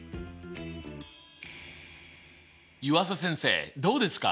湯浅先生どうですか？